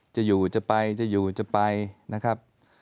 จะอยู่จะไปจะอยู่จะไปนะครับ